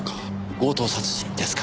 強盗殺人ですか。